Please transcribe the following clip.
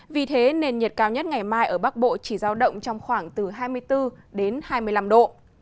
vì thế nền nhiệt cao nhất ngày mai ở bắc bộ chỉ giao động trong khoảng từ hai mươi bốn đến hai mươi năm độ